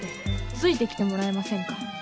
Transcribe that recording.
ついてきてもらえませんか？